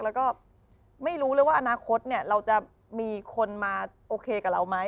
แล้วก็ไม่รู้เลยว่าอนาคตเนี่ยเราจะมีคนมาโอเคกับเราไหม